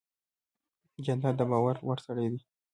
جانداد د باور وړ سړی دی.